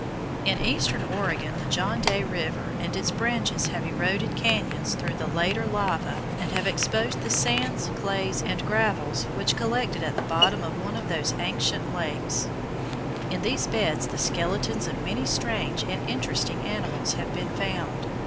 In eastern Oregon the John Day River and its branches have eroded cañons through the later lava and have exposed the sands, clays, and gravels which collected at the bottom of one of those ancient lakes. In these beds the skeletons of many strange and interesting animals have been found.